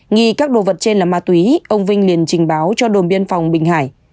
nghi các đồ vật trên là ma túy ông vinh liền trình báo cho đồn biên phòng bình hải